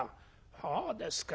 そうですか。